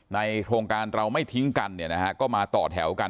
ในโครงการเราไม่ทิ้งกันเนี่ยนะฮะก็มาต่อแถวกัน